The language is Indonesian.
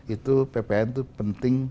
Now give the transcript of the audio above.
itu ppn itu penting